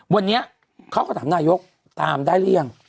วันนี้เขาก็ถามนายกตามได้หรือยัง